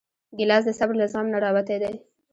ګیلاس د صبر له زغم نه راوتی دی.